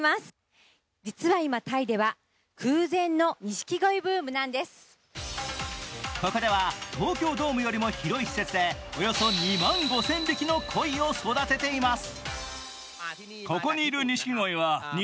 そこにいたのはここでは東京ドームよりも広い施設でおよそ２万５０００匹のこいを育てています。